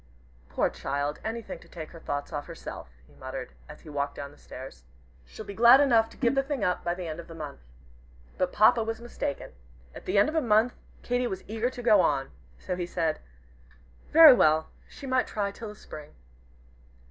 "Poor child, anything to take her thoughts off herself!" he muttered, as he walked down stairs. "She'll be glad enough to give the thing up by the end of the month." But Papa was mistaken. At the end of a month Katy was eager to go on. So he said, "Very well she might try it till Spring."